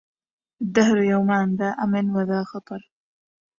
الدهر يومان ذا أمن وذا خطر